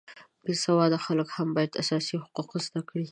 بې سواده خلک هم باید اساسي حقوق زده کړي